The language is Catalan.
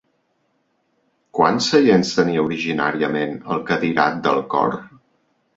Quants seients tenia originàriament el cadirat del cor?